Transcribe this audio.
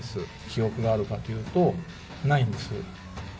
記憶があるかというと、ないんです。